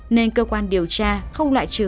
nên cơ quan điều tra không lại trừ bà hải